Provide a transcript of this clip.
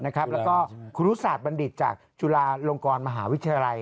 แล้วก็ครูรุศาสตบัณฑิตจากจุฬาลงกรมหาวิทยาลัย